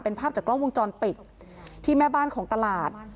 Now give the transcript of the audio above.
เป็นภาพจากกล้องวงจรปิดที่แม่บ้านของตลาด